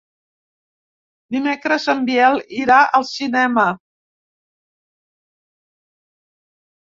Dimecres en Biel irà al cinema.